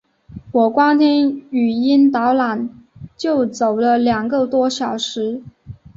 我光听语音导览就走了两个多小时